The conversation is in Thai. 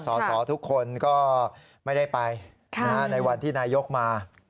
สอสอทุกคนก็ไม่ได้ไปในวันที่นายกมา